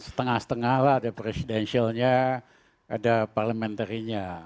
setengah setengah lah ada presidentialnya ada parliamentarynya